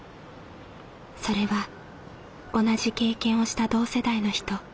それは同じ経験をした同世代の人。